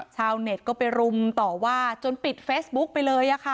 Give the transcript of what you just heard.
ชาวเน็ตก็ไปรุมต่อว่าจนปิดเฟซบุ๊กไปเลยค่ะ